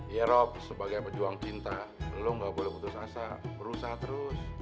ya rob sebagai pejuang cinta lo gak boleh putus asa berusaha terus